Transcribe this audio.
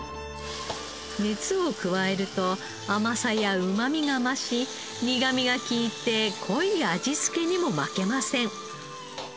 熱を加えると甘さやうまみが増し苦みが利いて濃い味付けにも負けません。